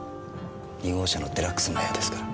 ２号車のデラックスの部屋ですから。